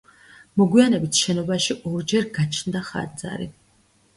მოგვიანებით შენობაში ორჯერ გაჩნდა ხანძარი.